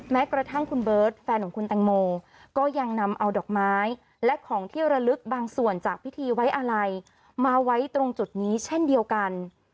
แม้กระทั่งคุณเบิร์ตแฟนของคุณแตงโมก็ยังนำเอาดอกไม้และของที่ระลึกบางส่วนจากพิธีไว้อาลัยมาไว้ตรงจุดนี้เช่นเดียวกัน